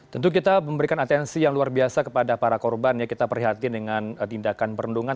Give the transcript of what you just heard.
tentu kita memberikan atensi yang luar biasa kepada para korban yang kita perhatikan dengan tindakan perundungan